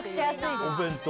お弁当？